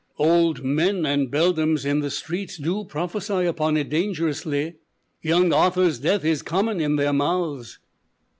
_ "Old men and beldams in the streets Do prophecy upon it dangerously; Young Arthur's death is common in their mouths."